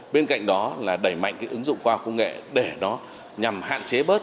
bên cạnh đó là đẩy mạnh cái ứng dụng khoa học công nghệ để nó nhằm hạn chế bớt